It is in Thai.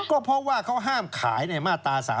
ก็เพราะว่าเขาห้ามขายในมาตรา๓๔